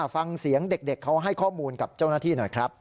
ฟังเสียงเด็กเขาให้ข้อมูลกับเจ้าหน้าที่หน่อยครับ